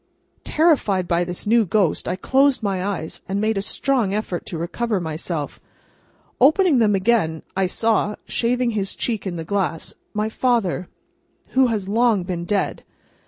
Terrified by this new ghost, I closed my eyes, and made a strong effort to recover myself. Opening them again, I saw, shaving his cheek in the glass, my father, who has long been dead.